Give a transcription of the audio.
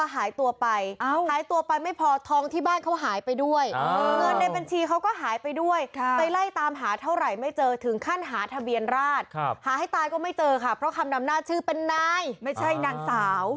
หาให้ตายก็ไม่เจอค่ะเพราะคำดำหน้าชื่อเป็นนายไม่ใช่นางสาว